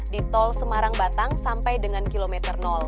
di tol semarang batang sampai dengan kilometer lima